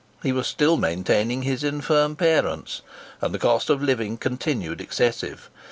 He was still maintaining his infirm parents; and the cost of living continued excessive.